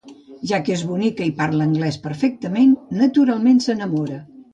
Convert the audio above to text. Ja que és bonica i parla anglès perfectament, naturalment s'enamora.